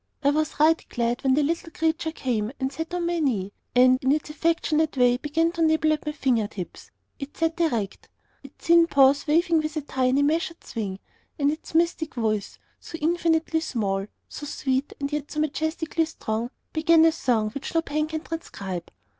I was right glad when the little creature came and sat on my knee, and in its affectionate way began to nibble at my finger tips. It sat erect, its thin paws waving with a tiny, measured swing, and in its mystic voice, so infinitely small, so sweet and yet so majestically strong, began a song which no pen can transcribe.